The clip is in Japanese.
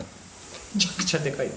めちゃくちゃでかい。